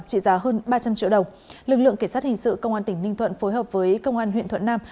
trị giá hơn ba trăm linh triệu đồng lực lượng cảnh sát hình sự công an tỉnh ninh thuận phối hợp với công an huyện thuận nam